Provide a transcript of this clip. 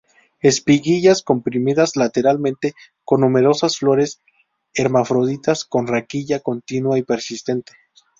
Espiguillas comprimidas lateralmente, con numerosas flores hermafroditas, con raquilla continua y persistente.